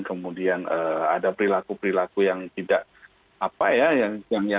kemudian ada perilaku perilaku yang tidak apa ya